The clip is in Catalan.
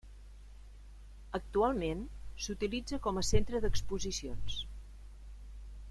Actualment, s'utilitza com a centre d'exposicions.